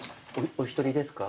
お一人ですか？